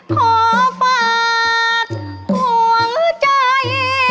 ขอฝากห่วงใจ